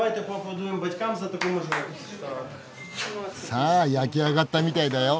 さあ焼き上がったみたいだよ。